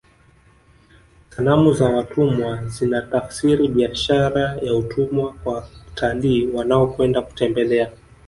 sanamu za watumwa zinatafsiri biashara ya utumwa kwa watalii wanaokwenda kutembelea